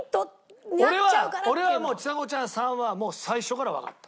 俺は俺はもうちさ子ちゃん３はもう最初からわかった。